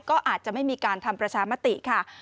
ก็อาจจะไม่มีการทำประชามติค่ะ